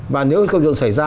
và nếu không dựng xảy ra